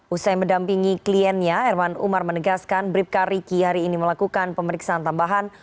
usai mendampingi kliennya herman umar menegaskan bribka riki hari ini melakukan pemeriksaan tambahan